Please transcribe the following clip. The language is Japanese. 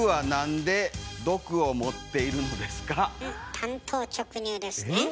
単刀直入ですね。